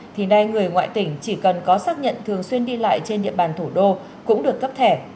thì nay người ngoại tỉnh chỉ cần có xác nhận thường xuyên đi lại trên địa bàn thủ đô cũng được cấp thẻ